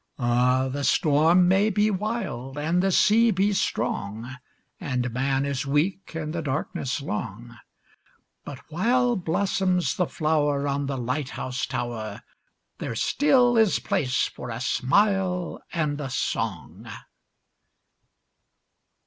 Ah, the storm may be wild and the sea be strong, And man is weak and the darkness long, But while blossoms the flower on the light house tower There still is place for a smile and a song.